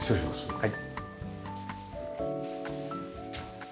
はい。